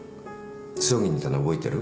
葬儀にいたの覚えてる？